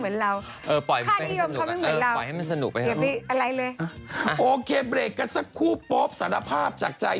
เออขอให้มันสนุกไปเถอะโอเคเบรกกันสักครู่โป๊บสารภาพจากใจ